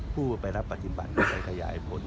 ผู้ไปรับปฏิบัติต้องไปขยายผล